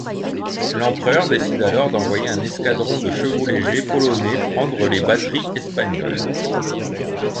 L'empereur décide alors d'envoyer un escadron de chevau-légers polonais prendre les batteries espagnoles.